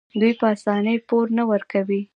دوی په اسانۍ پور نه ورکوي.